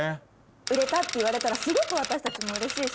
売れたって言われたらすごく私たちもうれしいし。